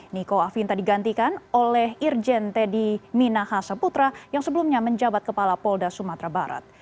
niko afinta digantikan oleh irjen teddy minahasa putra yang sebelumnya menjabat kepala polda sumatera barat